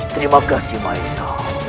terima kasih maiso